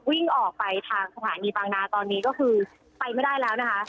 วิ่งออกไปทางสถานีบางนาตอนนี้ก็คือไปไม่ได้แล้วนะคะ